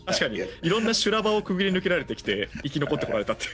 いろんな修羅場をくぐり抜けられてきて生き残ってこられたっていう。